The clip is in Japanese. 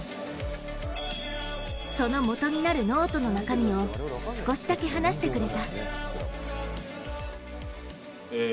そのもとになるノートの中身を少しだけ話してくれた。